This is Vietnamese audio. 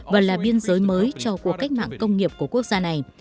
và là biên giới mới cho cuộc cách mạng công nghiệp của quốc gia này